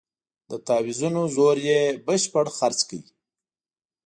د تاویزونو زور یې بشپړ خرڅ کړ.